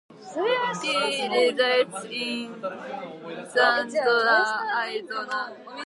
He resides in Chandler, Arizona.